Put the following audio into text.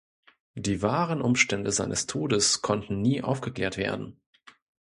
Die wahren Umstände seines Todes konnten nie aufgeklärt werden.